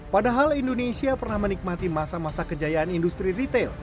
padahal indonesia pernah menikmati masa masa kejayaan industri retail